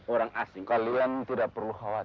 orang asing kalian tidak perlu khawatir